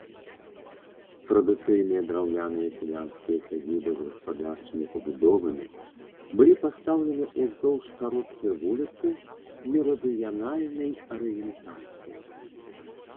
Традыцыйныя драўляныя сялянскія сядзібы з гаспадарчымі пабудовамі былі пастаўлены ўздоўж кароткай вуліцы мерыдыянальнай арыентацыі.